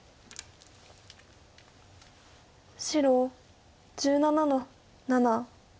白１７の七。